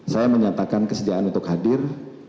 saya menyatakan kesediaan untuk hadir